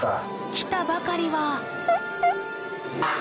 来たばかりはあっ！